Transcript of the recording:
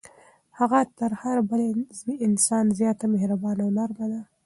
هغه تر هر بل انسان زیاته مهربانه او نرمه ده.